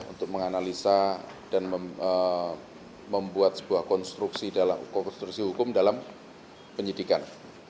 untuk menganalisa dan membuat sebuah konstruksi hukum dalam penyidikan